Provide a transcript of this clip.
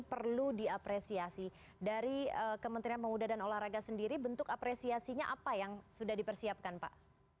perlu diapresiasi dari kementerian pemuda dan olahraga sendiri bentuk apresiasinya apa yang sudah dipersiapkan pak